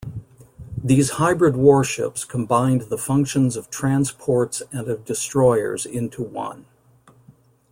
These hybrid warships combined the functions of transports and of destroyers into one.